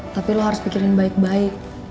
tapi lo harus pikirin baik baik